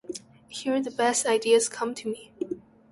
Here the best ideas come to me.